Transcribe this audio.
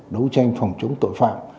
đấu tranh phòng chống tội phạm